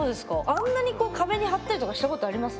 あんなにこう壁に貼ったりとかしたことあります？